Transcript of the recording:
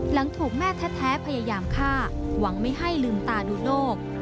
หลังถูกแม่แท้พยายามฆ่าหวังไม่ให้ลืมตาดูโลก